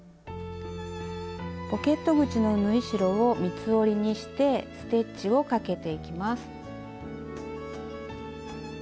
ポケット口の縫い代を三つ折りにしてステッチをかけていきます。